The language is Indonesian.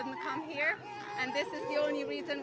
dia tidak bisa datang ke sini